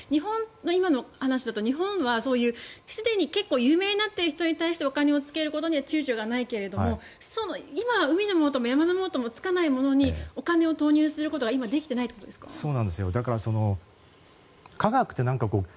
今の話だと、日本はすでに結構有名になっている人に対してお金をつけることには躊躇がないけれども今、海のものとも山のものともつかないものにお金を投入することができていないということですか？